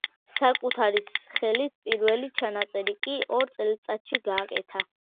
საკუთარი სახელით პირველი ჩანაწერი კი ორ წელიწადში გააკეთა.